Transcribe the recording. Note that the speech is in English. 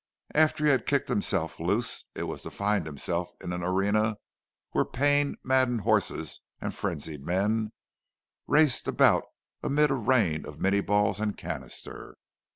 After he had kicked himself loose, it was to find himself in an arena where pain maddened horses and frenzied men raced about amid a rain of minie balls and canister.